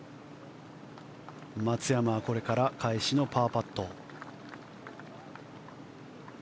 松山は、これから返しのパーパット。